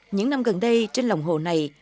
những năm gần đây trên lồng hồ này